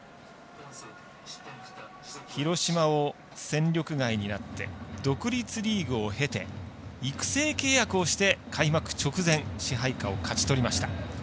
広島を戦力外になって独立リーグを経て育成契約をして開幕直前支配下を勝ち取りました。